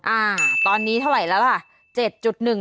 อ่าตอนนี้เท่าไหร่แล้วล่ะ